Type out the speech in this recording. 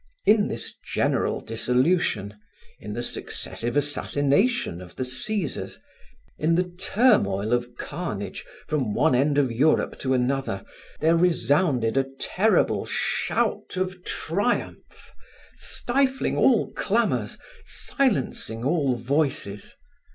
In this general dissolution, in the successive assassination of the Caesars, in the turmoil of carnage from one end of Europe to another, there resounded a terrible shout of triumph, stifling all clamors, silencing all voices.